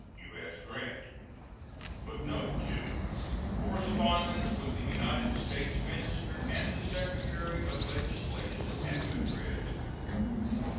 U.S. GRANT. [Footnote 2: Correspondence with the United states minister and the secretary of legation at Madrid.